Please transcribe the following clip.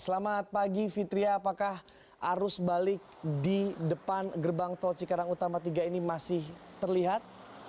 selamat pagi fitria apakah arus balik di depan gerbang tol cikarang utama tiga ini masih terlihat